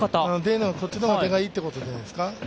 こっちの方が出がいいってことじゃないですか。